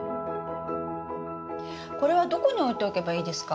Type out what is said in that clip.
これはどこに置いておけばいいですか？